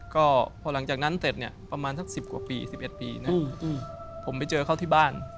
ก็พอหลังจากนั้นเสร็จเนี่ยประมาณสัก๑๐กว่าปี๑๑ปีนะผมไปเจอเขาที่บ้าน